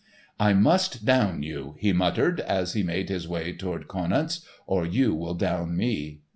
"I must down you," he muttered, as he made his way toward Conant's, "or you will down me."